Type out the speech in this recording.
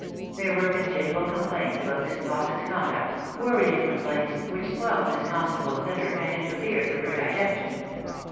There were continual complaints about Miss Fausset'a conduct, worrying complaints, which spoilt Miss Constable's dinner and interfered with her digestion.